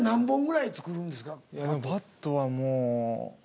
いやバットはもう。